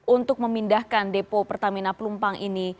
untuk memindahkan depo pertamina pelumpang ini